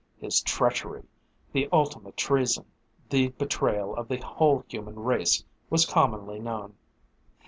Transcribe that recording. His treachery, the ultimate treason, the betrayal of the whole human race, was commonly known.